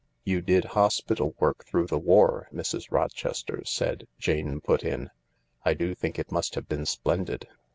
" You did hospital work through the war, Mrs, Rochester said," Jane put in. " I do think it must have been splendid.